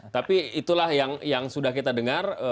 tapi itulah yang sudah kita dengar